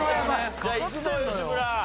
じゃあいくぞ吉村。